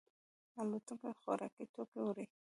الوتکې خوراکي توکي وړي.